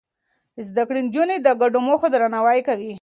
زده کړې نجونې د ګډو موخو درناوی کوي.